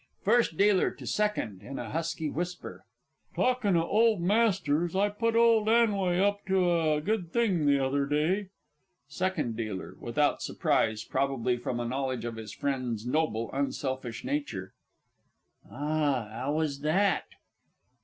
_ FIRST DEALER to SECOND (in a husky whisper). Talkin' o' Old Masters, I put young 'Anway up to a good thing the other day. SECOND D. (without surprise probably from a knowledge of his friend's noble unselfish nature). Ah 'ow was that?